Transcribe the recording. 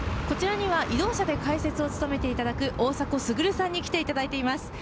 こちらには移動者で解説を務めていただく大迫傑さんに来ていただいています。